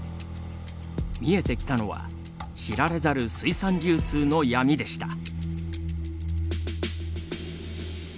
見えてきたのは知られざる水産流通の闇でした。